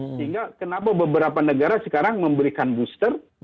sehingga kenapa beberapa negara sekarang memberikan booster